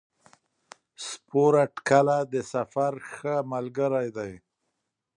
سپوره ټکله د سفر ښه ملګری دی.